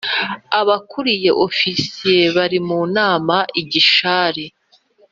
abakuriye Ofisiye bari munama I Gishari